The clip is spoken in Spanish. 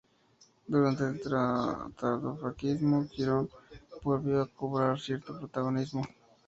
Durante el tardofranquismo, Girón volvió a cobrar cierto protagonismo.